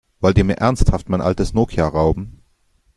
Wollt ihr mir ernsthaft mein altes Nokia rauben?